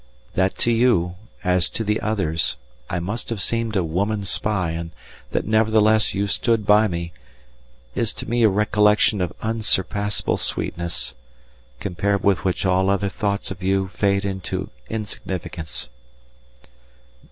That to you, as to the others, I must have seemed a woman spy and that nevertheless you stood by me, is to me a recollection of unsurpassable sweetness, compared with which all other thoughts of you fade into insignificance.